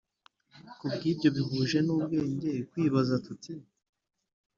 ku bw’ibyo, bihuje n’ubwenge kwibaza tuti